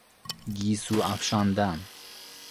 گیسو افشاندن